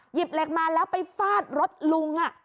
เหล็กมาแล้วไปฟาดรถลุง